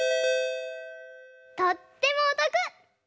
とってもおとく！